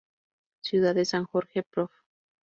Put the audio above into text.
Ciudad de San Jorge, Prov.